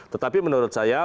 tetapi menurut saya